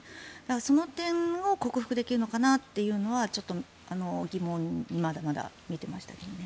その点を克服できるのかなというのはちょっと疑問にまだまだ見ていましたけど。